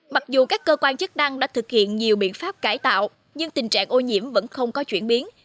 mặc dù các cơ quan chức năng đã thực hiện nhiều biện pháp cải tạo nhưng tình trạng ô nhiễm vẫn không có chuyển biến